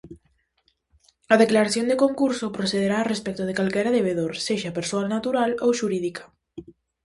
A declaración de concurso procederá respecto de calquera debedor, sexa persoa natural ou xurídica.